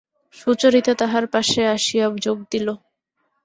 সুচরিতা তাঁহার পাশে আসিয়া যোগ দিল!